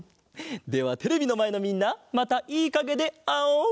ではテレビのまえのみんなまたいいかげであおう！